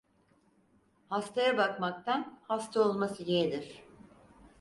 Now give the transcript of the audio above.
Hastaya bakmaktan hasta olması yeğdir.